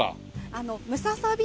あのムササビ。